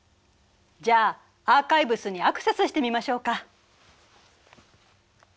じゃあアーカイブスにアクセスしてみましょうか。